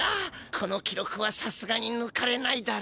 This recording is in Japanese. この記ろくはさすがにぬかれないだろ。